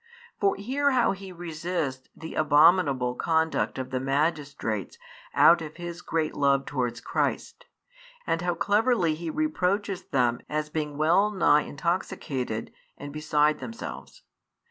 For hear how he resists the abominable conduct of the magistrates out of his great love towards Christ, and how cleverly he reproaches them as being well nigh intoxicated and beside themselves.